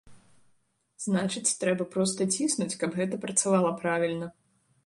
Значыць, трэба проста ціснуць, каб гэта працавала правільна.